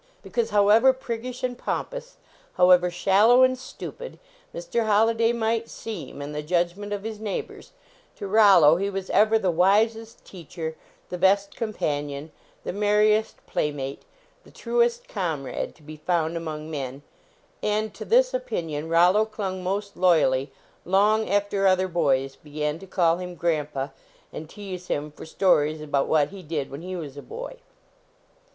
Because, however prig gish and pompous, however shallow and stu pid, Mr. Holliday might seem, in the judg ment of his neighbors, to Rollo he was ever the wisest teacher, the best companion, the merriest playmate, the truest comrade to be found among men, and to this opinion Rollo clung most loyally long after other boys be gan to call him " grandpa," and tease him for stories about what he did wlu n lu \vas a boy.